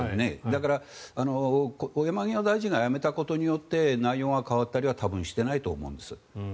だから山際大臣が辞めたことによって内容が変わったりは多分していないと思います。